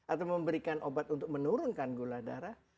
atau memberikan obat untuk menurunkan gula darah